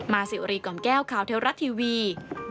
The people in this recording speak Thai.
สิวรีกล่อมแก้วข่าวเทวรัฐทีวี